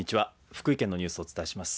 福井県のニュースをお伝えします。